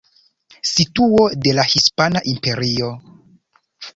Situo de la Hispana Imperio.